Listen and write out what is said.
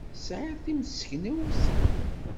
Tesɛiḍ timseknewt?